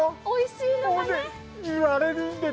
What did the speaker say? おいしいのがね。